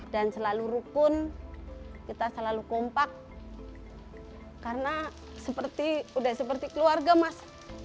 dan selalu rukun kita selalu kompak karena sudah seperti keluarga mas